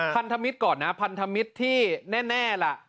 พันธมิตรก่อนนะพันธมิตรที่แน่ล่ะ